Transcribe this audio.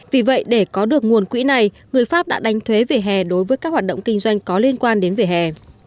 vì vậy để có được nguồn quỹ này người pháp đã đánh thuế về hè đối với các hoạt động kinh doanh có liên quan đến vỉa hè